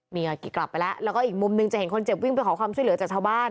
นี่ค่ะกลับไปแล้วแล้วก็อีกมุมนึงจะเห็นคนเจ็บวิ่งไปขอความช่วยเหลือจากชาวบ้าน